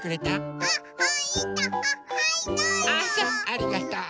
ありがとう。